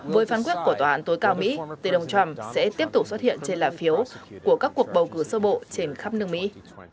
với phán quyết của tòa án tối cao mỹ tên ông trump sẽ tiếp tục xuất hiện trên lạp phiếu của các cuộc bầu cử sơ bộ trên khắp nước mỹ